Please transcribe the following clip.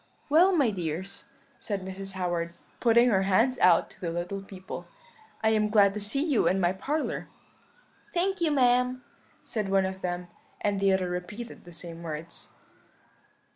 "'Well, my dears,' said Mrs. Howard, putting her hands out to the little people, 'I am glad to see you in my parlour.' "'Thank you, ma'am,' said one of them; and the other repeated the same words.